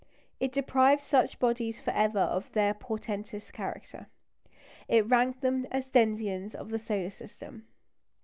It deprived such bodies for ever of their portentous character; it ranked them as denizens of the solar system.